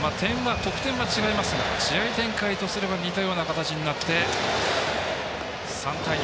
得点は違いますが試合展開とすれば似たような形になって、３対２。